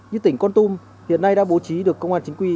như tỉnh con tum hiện nay đã bố trí được công an chính quy